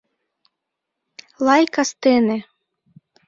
Лай кастене